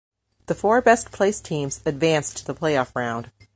The four best placed teams advanced to the playoff round.